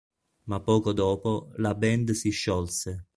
Ma poco dopo la band si sciolse.